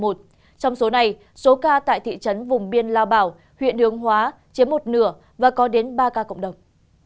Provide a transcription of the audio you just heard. từ tối ngày một mươi năm tháng một mươi một trong số này số ca tại thị trấn vùng biên la bảo huyện đường hóa chiếm một nửa và có đến ba ca cộng đồng